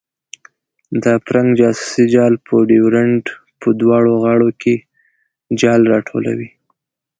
د فرنګ جاسوسي جال په ډیورنډ په دواړو غاړو کې جال راټولوي.